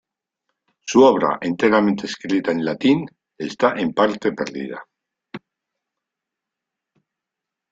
Su obra, enteramente escrita en latín, está en parte perdida.